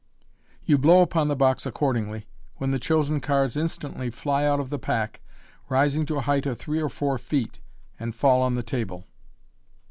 You blow upon the box accordingly, when the chosen cards in stantly fly out of the pack, rising to a height of three or four feet, and fall on the table.